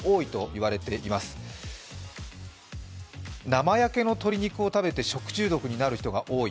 生焼けの鶏肉を食べて食中毒になる人が多い。